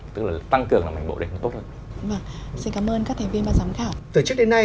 tức là tăng cường làm ảnh bộ để tốt hơn